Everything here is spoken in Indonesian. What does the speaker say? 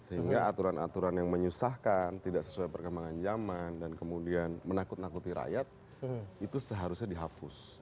sehingga aturan aturan yang menyusahkan tidak sesuai perkembangan zaman dan kemudian menakut nakuti rakyat itu seharusnya dihapus